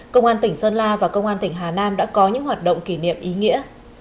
công an tỉnh sơn la và công an tỉnh hà nam đã có những hoạt động kỷ niệm ý nghĩa